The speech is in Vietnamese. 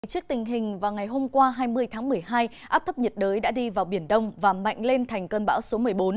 trước tình hình vào ngày hôm qua hai mươi tháng một mươi hai áp thấp nhiệt đới đã đi vào biển đông và mạnh lên thành cơn bão số một mươi bốn